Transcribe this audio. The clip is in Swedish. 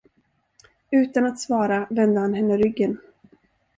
Utan att svara vände han henne ryggen.